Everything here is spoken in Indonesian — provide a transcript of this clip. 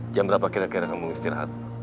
jam berapa kira kira kamu istirahat